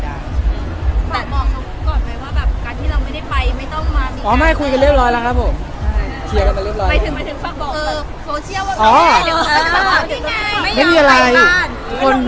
เดี๋ยวไว้รอทริปเรา๒คนจะจับหนักด้วยชิดไหม